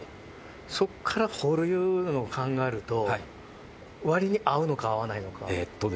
そっから掘るのを考えると割に合うのか合わないのか。